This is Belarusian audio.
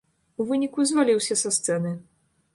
У выніку, зваліўся са сцэны.